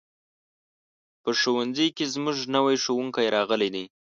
په ښوونځي کې زموږ نوی ښوونکی راغلی دی.